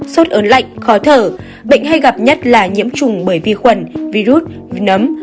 sốt ớn lạnh khó thở bệnh hay gặp nhất là nhiễm trùng bởi vi khuẩn virus nấm